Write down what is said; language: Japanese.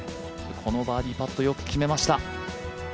このバーディーパットよく決めました。